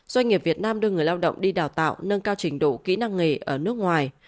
doanh nghiệp việt nam đưa người lao động đi đào tạo nâng cao trình độ kỹ năng nghề ở nước ngoài